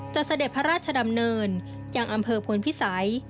เสด็จพระราชดำเนินยังอำเภอพลพิสัย